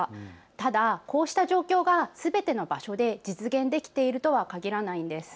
ただこうした状況がすべての場所で実現できているとは限らないんです。